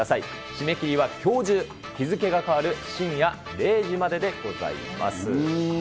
締め切りはきょう中、日付が変わる深夜０時まででございます。